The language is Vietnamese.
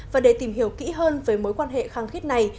và để tìm hiểu kỹ hơn về mối quan hệ khăng khít này